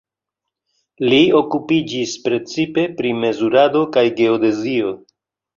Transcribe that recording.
Li okupiĝis precipe pri mezurado kaj geodezio.